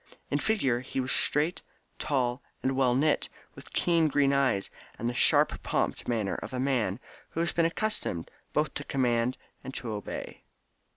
In figure he was straight, tall, and well knit, with keen grey eyes, and the sharp prompt manner of a man who has been accustomed both to command and to obey.